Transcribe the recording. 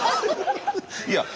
いや。